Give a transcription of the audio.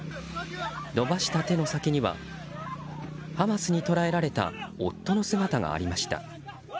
伸ばした手の先にはハマスに捕らえられた夫の姿がありました。